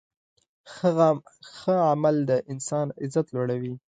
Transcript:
ښه عمل د انسان عزت لوړوي.